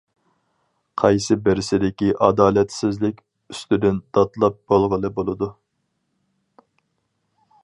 قايسى بىرسىدىكى ئادالەتسىزلىك ئۈستىدىن دادلاپ بولغىلى بولىدۇ.